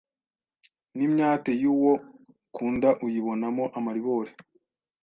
n’imyate y’uwo ukunda uyibonamo amaribori.